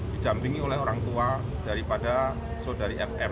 didampingi oleh orang tua daripada saudari fm